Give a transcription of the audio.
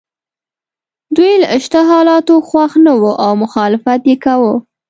دوی له شته حالاتو خوښ نه وو او مخالفت یې کاوه.